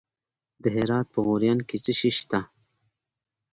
د هرات په غوریان کې څه شی شته؟